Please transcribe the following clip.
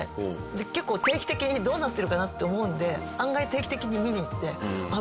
結構定期的にどうなってるかなって思うんで案外定期的に見に行ってああ